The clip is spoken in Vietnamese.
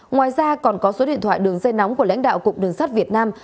ngoài ra còn có số điện thoại đường dây nóng của lãnh đạo cục đường sắt việt nam